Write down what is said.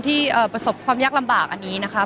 ประสบความยากลำบากอันนี้นะคะ